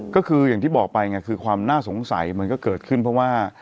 ก็คืออย่างที่บอกไปไงคือความน่าสงสัยมันก็เกิดขึ้นเพราะว่า